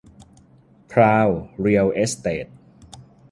พราว เรียล เอสเตท